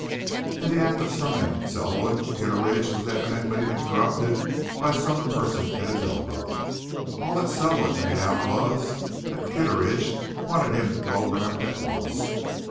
In the act of summoning Selwood, Kitteridge was evidently interrupted by some person at his elbow; all that Selwood made out was that Kitteridge wanted him to go round at once.